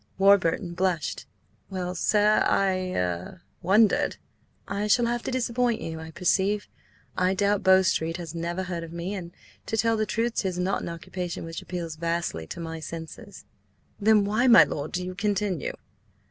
Warburton blushed. "Well, sir— I–er–wondered." "I shall have to disappoint you, I perceive. I doubt Bow Street has never heard of me–and–to tell the truth–'tis not an occupation which appeals vastly to my senses." "Then why, my lord, do you continue?"